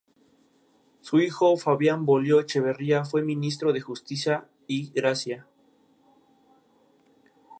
Su hijo Fabián Volio Echeverría fue Ministro de Justicia y Gracia.